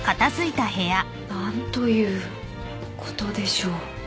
何ということでしょう。